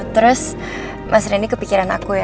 terus mas reni kepikiran aku ya